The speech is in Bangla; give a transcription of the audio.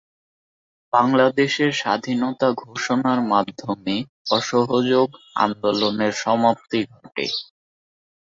বাংলাদেশের স্বাধীনতা ঘোষণার মাধ্যমে অসহযোগ আন্দোলনের সমাপ্তি ঘটে।